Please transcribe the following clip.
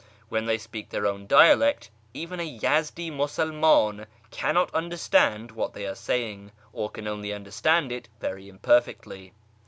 When they speak their own dialect, even a Yezdi Musulman cannot understand what they are saying, or can only understand it very imperfectly.